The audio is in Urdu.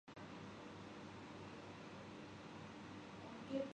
ملک کے طول وعرض میں آپ کے چاہنے والے موجود ہیں